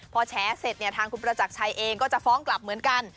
พอแฉเสร็จเนี่ยทางคุณประจักรชัยเองก็จะฟ้องกลับเหมือนกัน